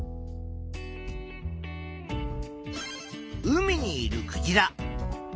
海にいるクジラ。